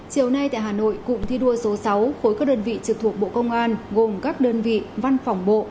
chiều nay tại hà nội cụm thi đua số sáu khối các đơn vị trực thuộc bộ công an gồm các đơn vị văn phòng bộ